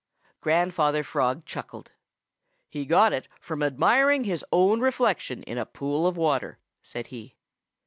Grandfather Frog chuckled. "He got it from admiring his own reflection in a pool of water," said he.